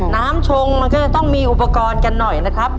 งชงมันก็จะต้องมีอุปกรณ์กันหน่อยนะครับ